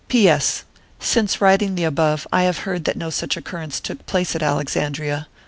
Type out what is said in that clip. P. S. Since writing the above, I have heard that no such occurrence took place at Alexandria.